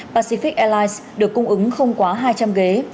pacific airlines được cung ứng không quá hai trăm linh ghế